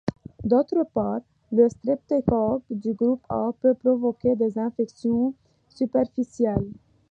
D'autre part, le streptocoque du groupe A peut provoquer des infections superficielles.